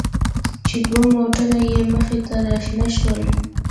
چې دوه موټره يې مخې ته راشنه شول.